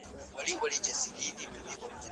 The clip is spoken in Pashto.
څه وخت ملي سوداګر دفتري توکي هیواد ته راوړي؟